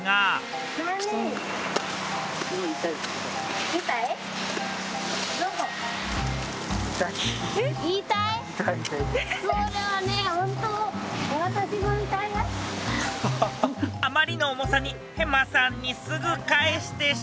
あまりの重さにヘマさんにすぐ返してしまいました。